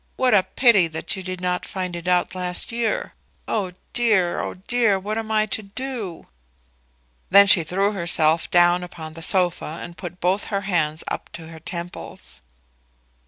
What a pity that you did not find it out last year! Oh dear, oh dear! what am I to do?" Then she threw herself down upon the sofa, and put both her hands up to her temples.